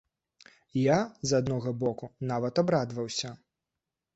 Я, з аднаго боку, нават абрадаваўся.